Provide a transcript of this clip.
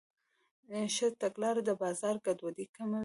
ښه تګلاره د بازار ګډوډي کموي.